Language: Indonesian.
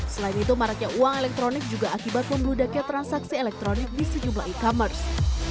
selain itu maraknya uang elektronik juga akibat membludaknya transaksi elektronik di sejumlah e commerce